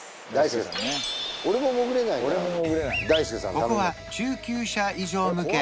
ここは中級者以上向け